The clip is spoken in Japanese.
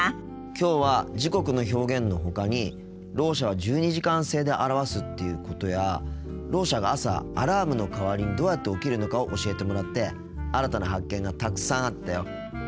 きょうは時刻の表現のほかにろう者は１２時間制で表すっていうことやろう者が朝アラームの代わりにどうやって起きるのかを教えてもらって新たな発見がたくさんあったよ。